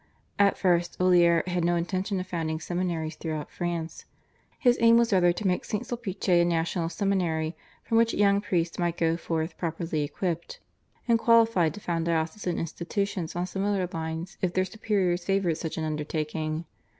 At first Olier had no intention of founding seminaries throughout France. His aim was rather to make St. Sulpice a national seminary, from which young priests might go forth properly equipped, and qualified to found diocesan institutions on similar lines if their superiors favoured such an undertaking.